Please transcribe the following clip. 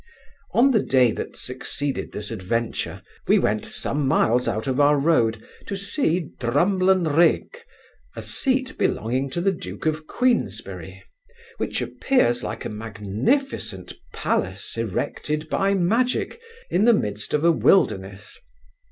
On the day that succeeded this adventure, we went some miles out of our road to see Drumlanrig, a seat belonging to the duke of Queensberry, which appears like a magnificent palace erected by magic, in the midst of a wilderness.